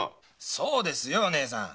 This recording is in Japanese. そうですよ姐さん。